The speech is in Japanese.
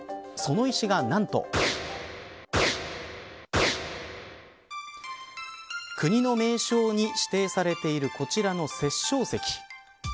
その石が、何と国の名勝に指定されているこちらの殺生石。